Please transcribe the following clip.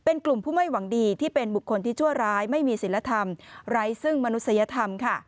เป็นกลุ่มผู้ไม่หวังดีที่เป็นบุคคลที่ชั่วร้ายไม่มีศิลธรรมไร้ซึ่งมนุษยธรรมค่ะ